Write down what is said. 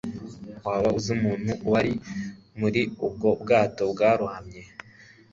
Waba uzi umuntu wari muri ubwo bwato bwarohamye?